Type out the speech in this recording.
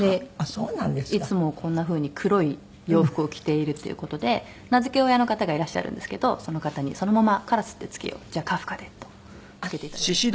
でいつもこんな風に黒い洋服を着ているっていう事で名付け親の方がいらっしゃるんですけどその方に「そのまま“カラス”って付けよう」「じゃあ“カフカ”で」と付けていただきました。